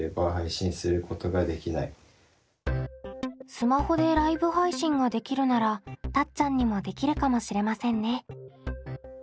スマホでライブ配信ができるならたっちゃんにもできるかもしれませんね。